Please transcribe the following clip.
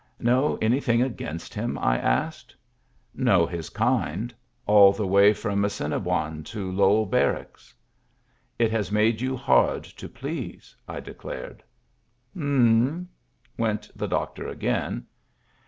" Know anything against him ?" I asked. "Know his kind. All the way from Assini boine to Lowell Barracks." " It has made you hard to please," I declared. " M*m," went the doctor again.